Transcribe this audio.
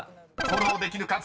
［フォローできるか。